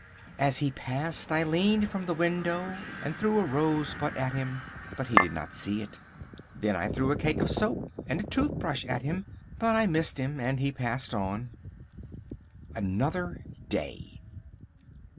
As he passed I leaned from the window and threw a rosebud at him. But he did not see it. Then I threw a cake of soap and a toothbrush at him. But I missed him, and he passed on. Another Day.